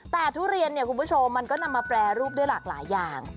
แต่ทุเรียนเนี่ยคุณผู้ชมมันก็นำมาแปรรูปด้วยหลากหลายอย่าง